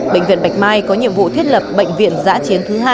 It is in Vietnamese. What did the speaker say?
bệnh viện bạch mai có nhiệm vụ thiết lập bệnh viện giã chiến thứ hai